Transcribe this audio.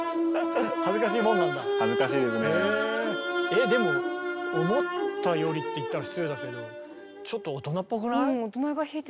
えでも思ったよりって言ったら失礼だけどちょっと大人っぽくない？